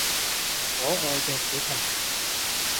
可愛嘅小朋友